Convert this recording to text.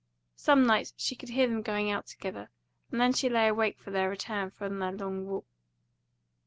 Some nights she could hear them going out together, and then she lay awake for their return from their long walk.